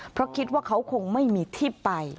เพราะคิดว่าเขาคงไม่มีที่ไป